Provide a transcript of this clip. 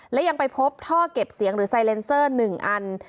และยังไปพบท่อเก็บเสียงหรือไซเลนเซอร์๑อัน